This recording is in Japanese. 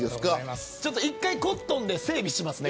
一回コットンで整備しますね。